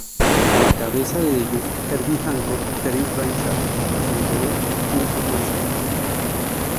A la cabeza de ellos, Herbie Hancock, Terence Blanchard y, sobre todo, Wynton Marsalis.